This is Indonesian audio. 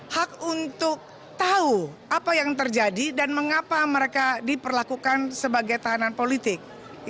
hak untuk tahu apa yang terjadi dan mengapa mereka diperlakukan sebagai tahanan politik